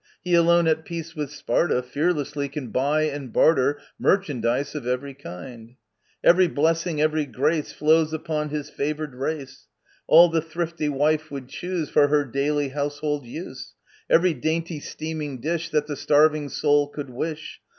He alone at peace with Sparta, Fearlessly can buy and barter Merchandise of every kind ! Every blessing, every grace, Flows upon his favoured race ! All the thrifty wife would choose For her daily household use ; Every dainty steaming dish That the starving soul could wish.